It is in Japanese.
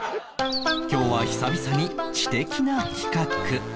今日は久々に知的な企画